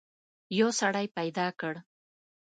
یو سړی پیدا کړ.